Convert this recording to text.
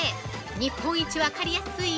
日本一分かりやすい！